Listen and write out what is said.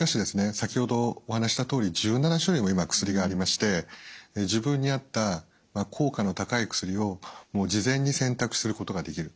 先ほどお話ししたとおり１７種類も今薬がありまして自分に合った効果の高い薬をもう事前に選択することができると。